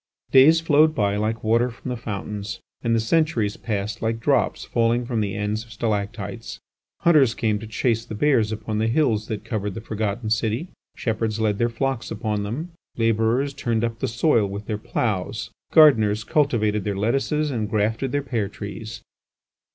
Days flowed by like water from the fountains, and the centuries passed like drops falling from the ends of stalactites. Hunters came to chase the bears upon the hills that covered the forgotten city; shepherds led their flocks upon them; labourers turned up the soil with their ploughs; gardeners cultivated their lettuces and grafted their pear trees.